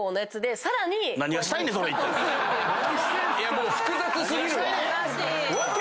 もう複雑過ぎるわ！